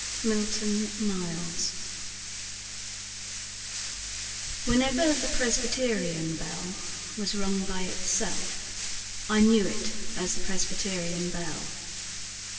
Milton Miles Whenever the Presbyterian bell Was rung by itself, I knew it as the Presbyterian bell.